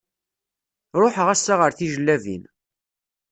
Ruḥeɣ ass-a ar Tijellabin.